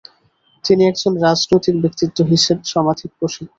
তিনি একজন রাজনৈতিক ব্যক্তিত্ব হিসাবে সমধিক প্রসিদ্ধ।